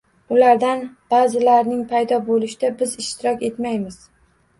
Ulardan baʼzilarining paydo bo‘lishida biz ishtirok etmaymiz.